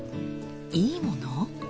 いいもの？